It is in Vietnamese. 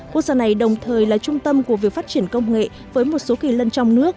quốc gia này đồng thời là trung tâm của việc phát triển công nghệ với một số kỳ lân trong nước